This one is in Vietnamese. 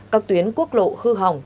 các tuyến quốc lộ hư hỏng